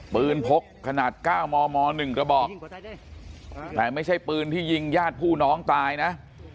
พกขนาด๙มม๑กระบอกแต่ไม่ใช่ปืนที่ยิงญาติผู้น้องตายนะ